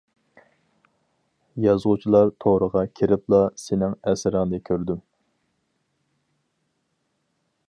يازغۇچىلار تورىغا كىرىپلا سېنىڭ ئەسىرىڭنى كۆردۈم.